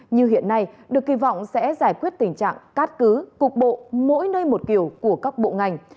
này được kỳ vọng sẽ giải quyết tình trạng cát cứ cục bộ mỗi nơi một kiểu của các bộ ngành